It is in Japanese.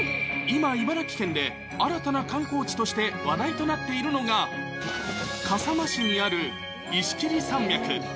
今、茨城県で新たな観光地として話題となっているのが、笠間市にある石切山脈。